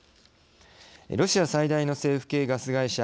ロシア最大の政府系ガス会社